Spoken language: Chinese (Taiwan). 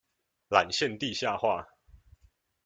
纜線地下化